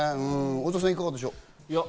小澤さん、いかがでしょう？